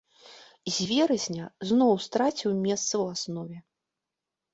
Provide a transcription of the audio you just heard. З верасня зноў страціў месца ў аснове.